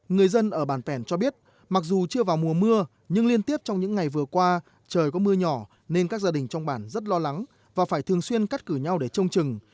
người dân ở bản pèn cho biết mặc dù chưa vào mùa mưa nhưng liên tiếp trong những ngày vừa qua trời có mưa nhỏ nên các gia đình trong bản rất lo lắng và phải thường xuyên cắt cử nhau để trông chừng